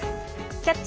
「キャッチ！